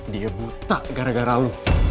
dia buta gara gara lu